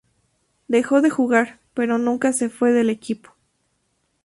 Dejó de jugar, pero nunca se fue del equipo.